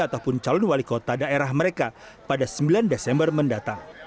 ataupun calon wali kota daerah mereka pada sembilan desember mendatang